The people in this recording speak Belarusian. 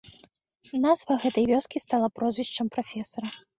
Назва гэтай вёскі стала прозвішчам прафесара.